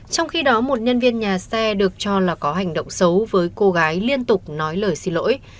trong khi đó một nhân viên nhà xe được cho là có hành động xấu với cô gái liên tục nói lời xin lỗi